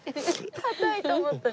固いと思った。